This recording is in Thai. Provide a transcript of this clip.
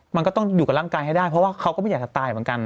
มันก็ต้องอยู่กับร่างกายให้ได้เพราะว่าเขาก็ไม่อยากจะตายเหมือนกัน